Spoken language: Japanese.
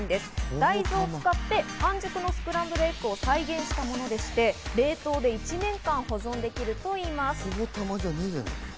大豆を使って半熟のスクランブルエッグを再現したものでして、冷凍で１年間保存できるといいます。